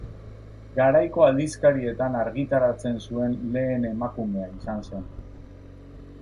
Garaiko aldizkarietan argitaratzen zuen lehen emakumea izan zen.